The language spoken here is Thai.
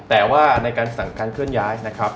แต่ว่าในการสั่งการเคลื่อนย้ายนะครับ